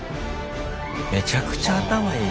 めちゃくちゃ頭いい。